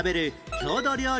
郷土料理？